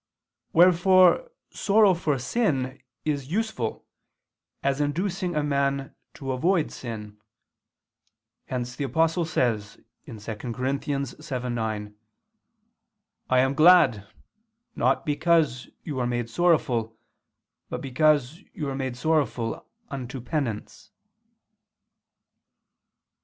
Wherefore sorrow for sin is useful as inducing a man to avoid sin: hence the Apostle says (2 Cor. 7:9): "I am glad: not because you were made sorrowful, but because you were made sorrowful unto penance."